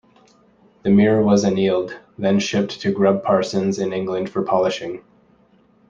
The mirror was annealed, then shipped to Grubb-Parsons in England for polishing.